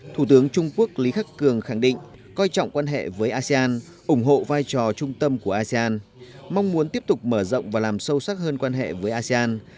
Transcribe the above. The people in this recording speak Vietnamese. thủ tướng trung quốc lý khắc cường khẳng định coi trọng quan hệ với asean ủng hộ vai trò trung tâm của asean mong muốn tiếp tục mở rộng và làm sâu sắc hơn quan hệ với asean